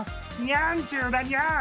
ニャンちゅうだ！